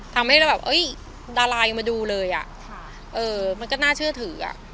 ทำให้เราแบบเอ้ยดาราอยู่มาดูเลยอ่ะเออมันก็น่าเชื่อถืออ่ะ